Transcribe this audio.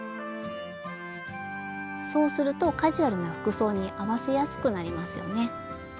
そうするとカジュアルな服装に合わせやすくなりますよね。